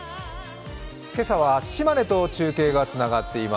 今朝は島根と中継がつながっています。